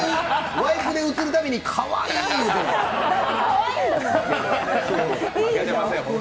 ワイプで映るたびに「かわいい」言うてるの。